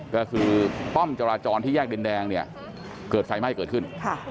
ก็คือป้อมจราจรที่แยกดินแดงเนี่ยเกิดไฟไหม้เกิดขึ้น